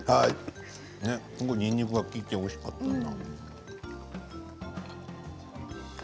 にんにくが利いておいしかったな。